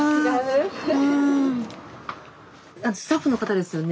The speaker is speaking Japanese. スタッフの方ですよね？